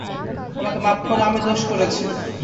আমাকে মাপ করো, আমি দোষ করেছি।